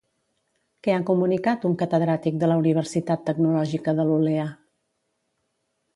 Què ha comunicat un catedràtic de la Universitat Tecnològica de Lulea?